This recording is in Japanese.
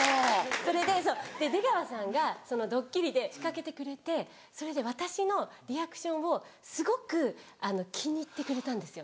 それで出川さんがそのドッキリで仕掛けてくれてそれで私のリアクションをすごく気に入ってくれたんですよ。